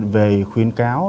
về khuyến cáo